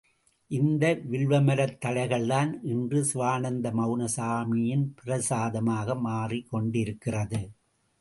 இந்த வில்வமரத் தழைகள்தான் இன்று சிவானந்த மௌன சாமியின் பிரசாதமாக மாறிக் கொண்டிருக்கிறது.